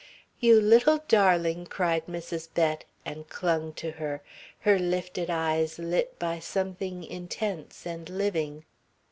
"You little darling!" cried Mrs. Bett, and clung to her, her lifted eyes lit by something intense and living.